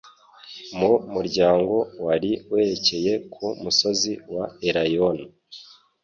mu muryango wari werekeye ku musozi wa Elayono.